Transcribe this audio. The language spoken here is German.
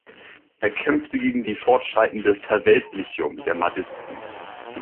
Er kämpfte gegen die fortschreitende "Verweltlichung" der Mahdisten.